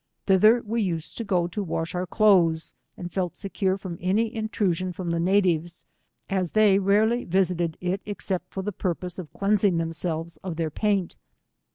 Thi ther we used to go to wash our clothes, and felt secure from any intrusion from the natives, as they rarely visited it, except for the purpose of cleansing themselves of their paint.